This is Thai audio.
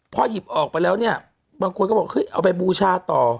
พอหยิบออกไปแล้วเนี่ยบางคนก็บอกเฮ้ยเอาไปบูชาต่อ